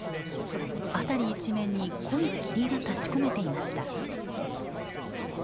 辺り一面に濃い霧が立ちこめていました。